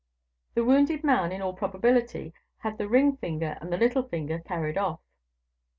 The wounded man, in all probability, had the ring finger and the little finger carried off."